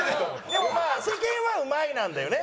でもまあ世間は「上手い」なんだよね。